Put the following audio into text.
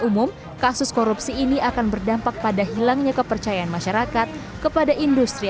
umum kasus korupsi ini akan berdampak pada hilangnya kepercayaan masyarakat kepada industri